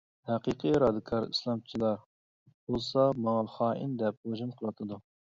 ھەقىقىي رادىكال ئىسلامچىلار بولسا ماڭا «خائىن» دەپ ھۇجۇم قىلىۋاتىدۇ.